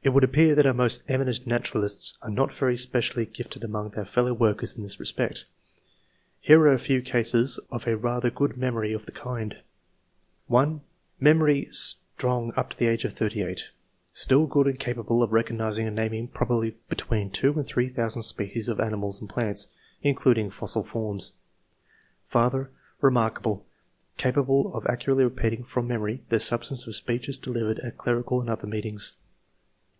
It would appear that our most eminent naturalists are not very specially gifted among their fellow workers in this respect. Here are a few cases of a rather good memory of the kind :— 1. Memory strong up to the age of 38; still good and capable of recognizing and naming probably between two and three thousand species of animals and plants, including fossil forma ^^ Father — Kemarkable; capable of accurately repeating from memory the substance of speeches delivered at clerical and other meetings."